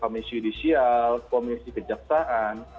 komisi judisial komisi kejaksaan